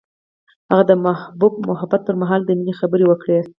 هغه د محبوب محبت پر مهال د مینې خبرې وکړې.